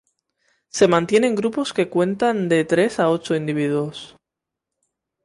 Se mantiene en grupos que cuentan de tres a ocho individuos.